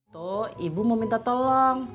toh ibu mau minta tolong